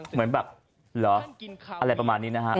เหมือนแบบเหรออะไรประมาณนี้นะฮะ